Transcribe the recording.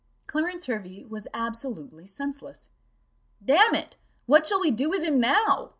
Clarence Hervey was absolutely senseless. "Damn it, what shall we do with him now?"